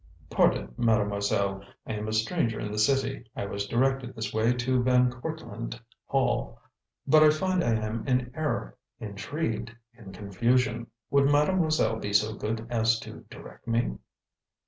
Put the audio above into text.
"Pardon, Mademoiselle, I am a stranger in the city. I was directed this way to Van Cortlandt Hall, but I find I am in error, intrigued in confusion. Would mademoiselle be so good as to direct me?"